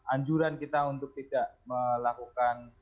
anjuran kita untuk tidak melakukan